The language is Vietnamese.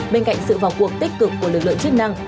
bên cạnh sự vào cuộc tích cực của lực lượng chức năng